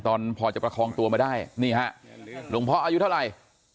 ตอนพอจะประคองตัวมาได้นี่ฮะหลวงพ่ออายุเท่าไหร่